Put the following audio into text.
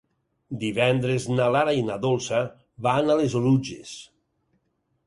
Divendres na Lara i na Dolça van a les Oluges.